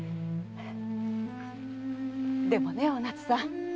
でもねお奈津さん